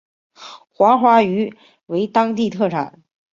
黄花鱼为当地特产。